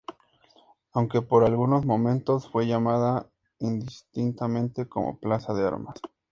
Aunque por algunos momentos fue llamada indistintamente como "Plaza de Armas".